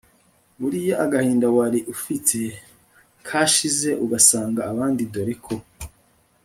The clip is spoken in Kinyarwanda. buriya agahinda wari ufite kashize ugasanga abandi dore ko